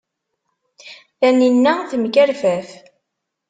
Taninna temkerfaf.